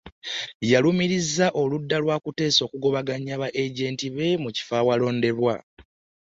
Yalumirizza oludda lwa Kuteesa okugobaganya ba ajenti be mu bifo awalonderwa